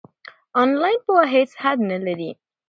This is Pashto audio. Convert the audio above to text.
آنلاین پوهه هیڅ حد نلري.